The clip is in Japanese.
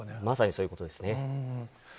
まさにそういうことですね。